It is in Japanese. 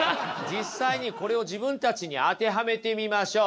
実際にこれを自分たちに当てはめてみましょう。